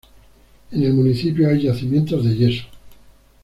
En el municipio hay yacimientos de yeso.